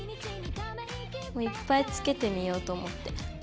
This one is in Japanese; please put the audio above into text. もういっぱいつけてみようと思って。